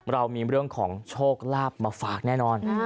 เรามีเรื่องของโชคลาภมาฝากแน่นอน